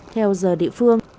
theo giờ địa phương